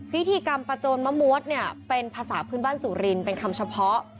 พิธีกรรมประโจนมะมวดเนี่ยเป็นภาษาพื้นบ้านสุรินเป็นคำเฉพาะ